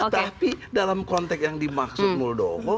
tapi dalam konteks yang dimaksud muldoko